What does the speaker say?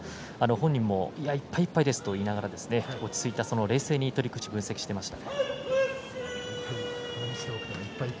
本人もいっぱいいっぱいですと言いながら落ち着いて冷静に取り口を分析していました。